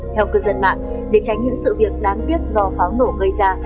theo cư dân mạng để tránh những sự việc đáng tiếc do pháo nổ gây ra